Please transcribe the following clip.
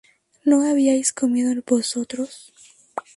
¿no habíais comido vosotros?